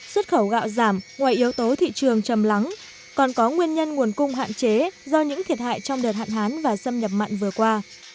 xuất khẩu gạo giảm ngoài yếu tố thị trường chầm lắng còn có nguyên nhân nguồn cung hạn chế do những thiệt hại trong đợt hạn hán và xâm nhập mặn vừa qua